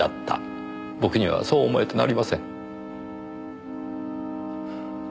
僕にはそう思えてなりません。